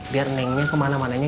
biar nengnya kemana mananya